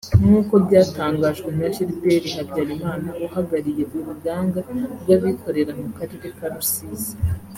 nk’uko byatangajwe na Gilbert Habyarimana uhagariye uruganga rwabikorera mu karere ka Rusizi